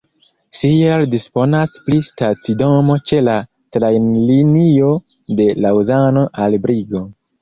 Sierre disponas pri stacidomo ĉe la trajnlinio de Laŭzano al Brigo.